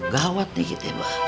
gawat dikit ya bah